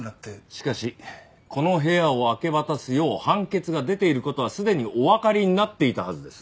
しかしこの部屋を明け渡すよう判決が出ている事はすでにおわかりになっていたはずです。